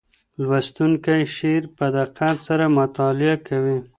لوستونکی شعر په دقت سره مطالعه کوي.